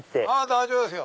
大丈夫ですよ。